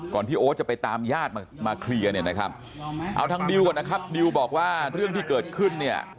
ที่โอ๊ตจะไปตามญาติมาเคลียร์เนี่ยนะครับเอาทางดิวก่อนนะครับดิวบอกว่าเรื่องที่เกิดขึ้นเนี่ย